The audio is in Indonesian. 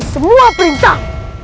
dan mematuhi semua perintah